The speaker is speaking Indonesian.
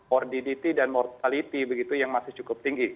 ordinity dan mortality begitu yang masih cukup tinggi